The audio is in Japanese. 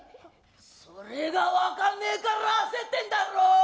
それが分かんねえから焦ってんだろ！